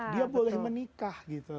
dia boleh menikah